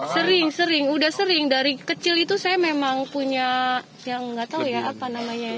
sering sering udah sering dari kecil itu saya memang punya yang nggak tahu ya apa namanya ya